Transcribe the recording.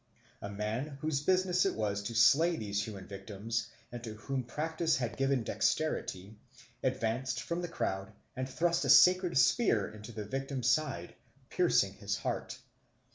A man whose business it was to slay these human victims and to whom practice had given dexterity, advanced from the crowd and thrust a sacred spear into the victim's side, piercing his heart.